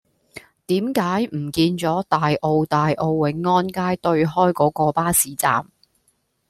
點解唔見左大澳大澳永安街對開嗰個巴士站